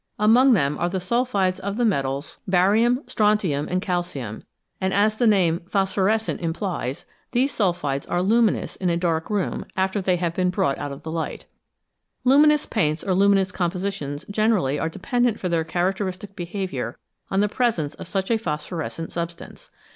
Among them are the sulphides of the metals 329 SMALL CAUSES; GREAT EFFECTS barium, strontium, and calcium, and, as the name " phos phorescent 1 ' implies, these sulphides are luminous in a dark room after they have been brought out of the light. Luminous paints or luminous compositions generally are dependent for their characteristic behaviour on the pre sence of such a phosphorescent substance.